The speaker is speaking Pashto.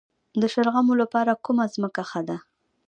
د شلغمو لپاره کومه ځمکه ښه ده؟